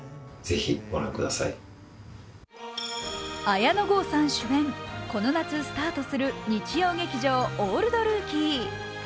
綾野剛さん主演、この夏スタートする日曜劇場「オールドルーキー」。